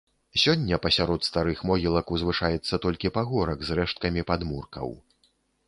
Сёння пасярод старых могілак узвышаецца толькі пагорак з рэшткамі падмуркаў.